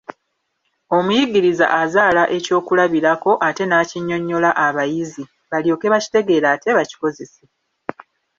Omuyigiriza azaala ekyokulabirako ate n'akinnyonnyola abayizi, balyoke bakitegeere ate bakikozese.